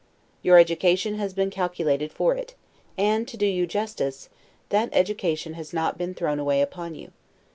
Your education has been calculated for it; and, to do you justice, that education has not been thrown away upon you.